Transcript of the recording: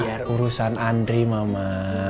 biar urusan andri mama